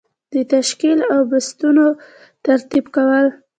د تشکیل او بستونو ترتیب کول.